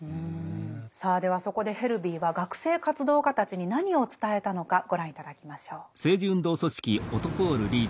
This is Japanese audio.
さあではそこでヘルヴィーは学生活動家たちに何を伝えたのかご覧頂きましょう。